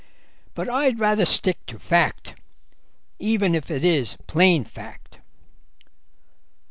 But I'd rather stick to fact, even if it is plain fact."